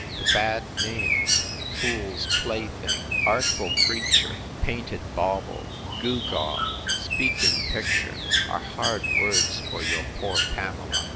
The bad names, fool's play thing, artful creature, painted bauble, gewgaw, speaking picture, are hard words for your poor Pamela!